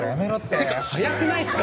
ってか早くないっすか？